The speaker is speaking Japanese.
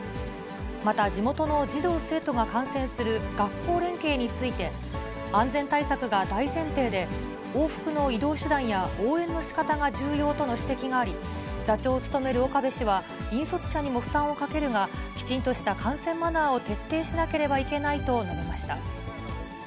また、地元の児童・生徒が観戦する学校連携について、安全対策が大前提で、往復の移動手段や応援のしかたが重要との指摘があり、座長を務める岡部氏は、引率者にも負担をかけるが、きちんとした観戦マナーを徹底しなければいけないと述べました。